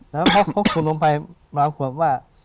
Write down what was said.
เพราะเขาขุดลงไปมากว่าว่า